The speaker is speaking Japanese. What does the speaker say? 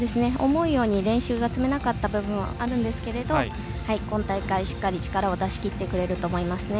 思うように練習が積めなかった部分はあるんですけど今大会、しっかり力を出しきってくれると思います。